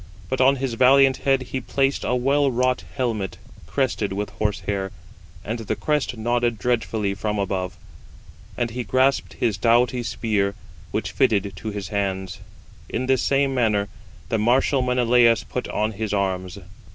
But on his valiant head he placed a well wrought helmet, crested with horse hair, and the crest nodded dreadfully from above; and he grasped his doughty spear, which fitted to his hands. In this same manner the martial Menelaus put on his arms.